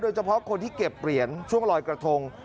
เฉพาะคนที่เก็บเหรียญช่วงลอยกระทง